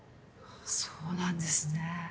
そうなんですね。